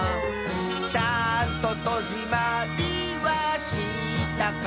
「ちゃんととじまりはしたかな」